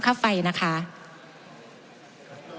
ผมจะขออนุญาตให้ท่านอาจารย์วิทยุซึ่งรู้เรื่องกฎหมายดีเป็นผู้ชี้แจงนะครับ